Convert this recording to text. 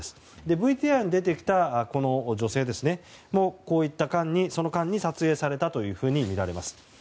ＶＴＲに出てきた女性のこういった間に撮影されたとみられます。